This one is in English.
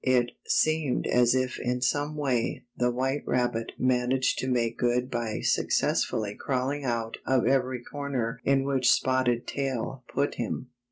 It seemed as if in some way the white rabbit managed to make good by successfully crawling out of every corner in which Spotted Tail put him.